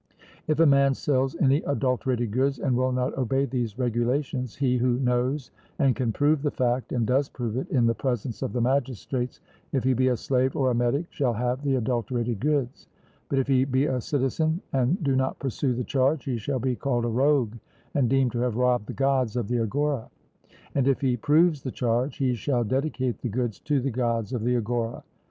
If a man sells any adulterated goods and will not obey these regulations, he who knows and can prove the fact, and does prove it in the presence of the magistrates, if he be a slave or a metic, shall have the adulterated goods; but if he be a citizen, and do not pursue the charge, he shall be called a rogue, and deemed to have robbed the Gods of the agora; or if he proves the charge, he shall dedicate the goods to the Gods of the agora.